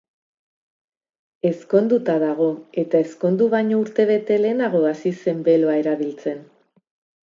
Ezkonduta dago, eta ezkondu baino urtebete lehenago hasi zen beloa erabiltzen.